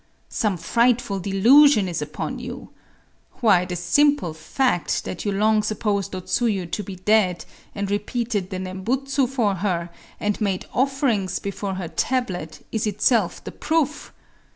Some frightful delusion is upon you!… Why, the simple fact that you long supposed O Tsuyu to be dead, and repeated the Nembutsu for her, and made offerings before her tablet, is itself the proof!